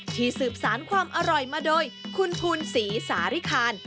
สืบสารความอร่อยมาโดยคุณภูนศรีสาริคาร